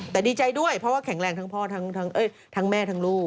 แต่ดีใจด้วยเพราะว่าแข็งแรงทั้งพ่อทั้งแม่ทั้งลูก